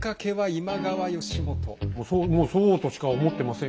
もうそうとしか思ってません。